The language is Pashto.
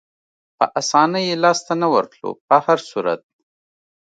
په اسانۍ یې لاسته نه ورتلو، په هر صورت.